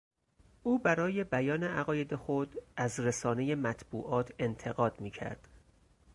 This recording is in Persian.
او برای بیان عقاید خود از رسانهی مطبوعات انتقاد میکرد.